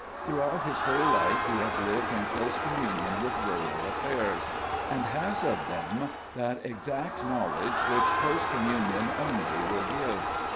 Throughout his whole life he has lived in close communion with rural affairs, and has of them that exact knowledge which close communion only will give.